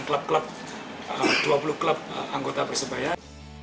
kita sudah melakukan dua puluh klub anggota persebaya